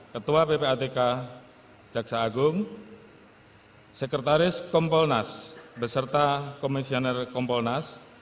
ketua ppatk jaksa agung sekretaris kompolnas beserta komisioner kompolnas